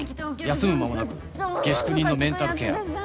休む間もなく下宿人のメンタルケア